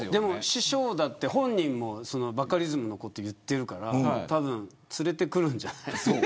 師匠だって本人もバカリズムのことを言っているからたぶん連れてくるんじゃない。